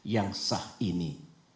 yang sah ini